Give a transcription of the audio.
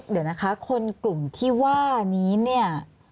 เดี๋ยวนะคะคนกลุ่มที่ว่านี้เนี่ย